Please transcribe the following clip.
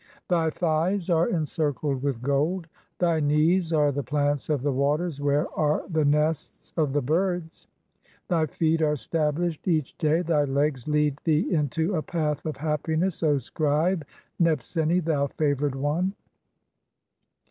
Thy (28) thighs are "encircled with gold ; thy knees are the plants of the waters "where are the nests of the birds ; thy feet are stablished each "day ; thy legs lead thee into a (29) path of happiness, O scribe "Nebseni, thou favoured one.